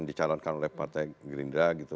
dicalonkan oleh partai gerindra gitu